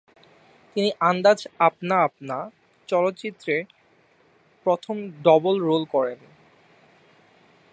তিনি আন্দাজ আপনা আপনা চলচ্চিত্রে প্রথম ডবল রোল করেন।